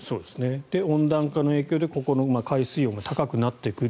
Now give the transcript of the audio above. で、温暖化の影響でここの海水温が高くなってくる。